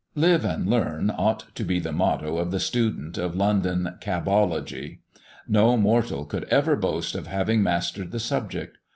"Live and learn," ought to be the motto of the student of London cab ology. No mortal could ever boast of having mastered the subject.